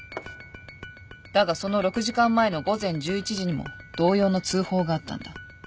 だがその６時間前の午前１１時にも同様の通報があったんだ。